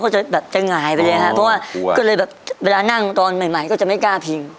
จะแบบจะหงายไปเลยครับเพราะว่าก็เลยแบบเวลานั่งตอนใหม่ใหม่ก็จะไม่กล้าพิง